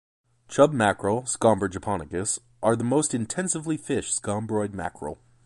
Chub mackerel, "Scomber japonicus", are the most intensively fished scombroid mackerel.